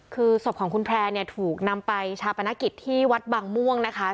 คือศพของคุณแพร่เนี่ยถูกนำไปชาปนกิจที่วัดบางม่วงนะคะ